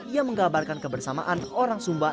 yang menggabarkan kebersamaan orang sumba